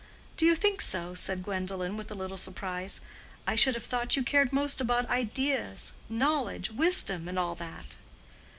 "Do you think so?" said Gwendolen with a little surprise. "I should have thought you cared most about ideas, knowledge, wisdom, and all that."